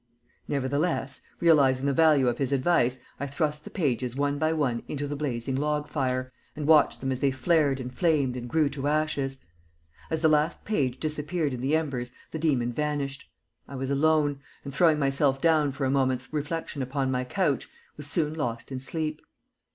Nevertheless, realizing the value of his advice, I thrust the pages one by one into the blazing log fire, and watched them as they flared and flamed and grew to ashes. As the last page disappeared in the embers the demon vanished. I was alone, and throwing myself down for a moment's reflection upon my couch, was soon lost in sleep.